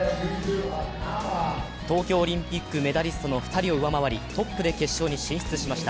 東京オリンピックメダリストの２人を上回り、トップで決勝に進出しました。